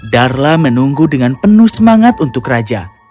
darla menunggu dengan penuh semangat untuk raja